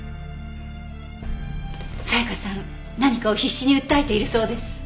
沙也加さん何かを必死に訴えているそうです。